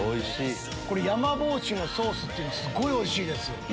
やまぼうしのソースっていうのすっごいおいしいです。